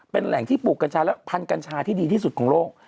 เป็นแหล่งที่ปลูกกัญชาและพันธุ์กัญชาที่ดีที่สุดของโลก